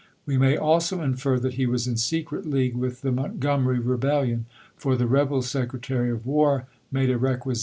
We may also infer that he was in secret league with the Montgomery rebellion; for the rebel Secretary of War made a requisition upon Chap.